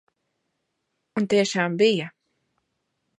Un tiešām bija.